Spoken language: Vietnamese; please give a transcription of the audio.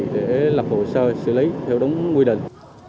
để lập hồ sơ xử lý theo đúng quy định